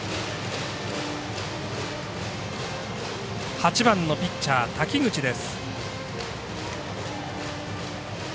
８番のピッチャー、滝口です。